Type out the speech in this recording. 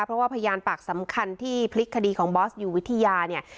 เพราะว่าพยานปากสำคัญที่พลิกคดีของบอสอยู่วิทยาเนี่ย